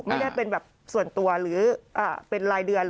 ไม่ได้เป็นแบบส่วนตัวหรือเป็นรายเดือน